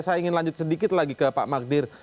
saya ingin lanjut sedikit lagi ke pak magdir